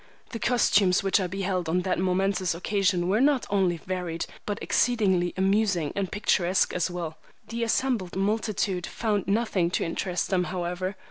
The costumes which I beheld on that momentous occasion were not only varied but exceedingly amusing and picturesque as well. The assembled multitude found nothing to interest them, however.